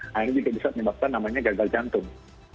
nah ini juga bisa menyebabkan namanya gagal jantung